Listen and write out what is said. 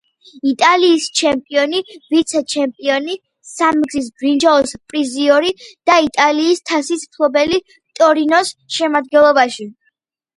იტალიის ჩემპიონი, ვიცე-ჩემპიონი, სამგზის ბრინჯაოს პრიზიორი და იტალიის თასის მფლობელი „ტორინოს“ შემადგენლობაში.